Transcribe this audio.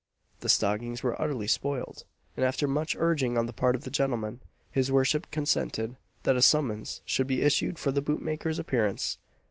The stockings were utterly spoiled; and after much urging on the part of the gentleman, his worship consented that a summons should be issued for the boot maker's appearance.